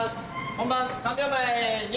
本番３秒前２。